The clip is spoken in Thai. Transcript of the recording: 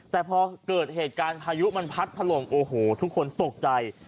แต่พอเกิดเหตุการณ์พายุมันพัดถล่มโอ้โหทุกคนตกใจ